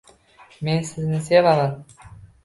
Men sizni sevaman.